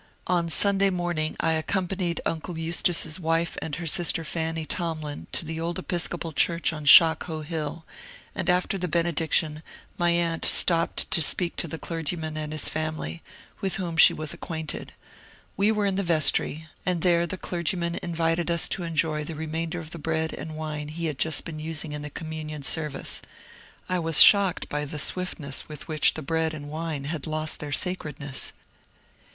On Sunday morning I accompanied uncle Eustace's wife and her sister, Fanny Tomlin, to the old Episcopal church on Shockoe Hill, and after the benediction my aunt stopped to speak to the clergyman and his family, with whom she was acquainted. We were in the vestry, and there the clergyman invited us to enjoy the remainder of the bread and wine he had just been using in the Communion Service. I was shocked by the swiftness with which the bread and wine had lost their sacredness.